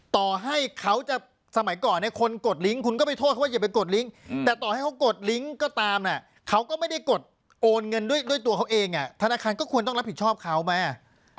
ต่อให้เขาจะสมัยก่อนคนกดลิงก์คุณก็ไปโทษเขาว่าอย่าไปกดลิงค์แต่ต่อให้เขากดลิงก์ก็ตามเขาก็ไม่ได้กดโอนเงินด้วยตัวเขาเองธนาคารก็ควรต้องรับผิดชอบเขาไหม